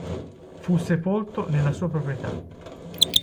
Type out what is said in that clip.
Fu sepolto nella sua proprietà.